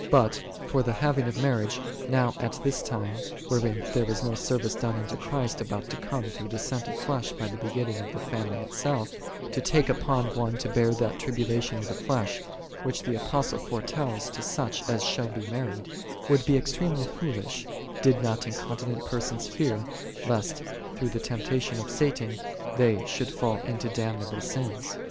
But for the having of marriage, now at this time, wherein there is no service done unto Christ about to come through descent of flesh by the begetting of the family itself, to take upon one to bear that tribulation of the flesh, which the Apostle foretells to such as shall be mar ried, would be extremely foolish, did not in continent persons fear, lest, through the temptation of Satan, they should fall into damnable sins.